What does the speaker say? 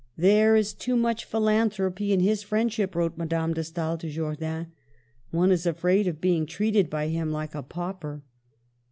" There is too much philanthropy in his friendship," wrote Madame de Stael to Jordan. " One is afraid of being treated by him like a pauper."